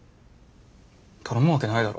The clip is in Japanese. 頼むわけないだろ。